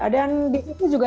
dan di situ juga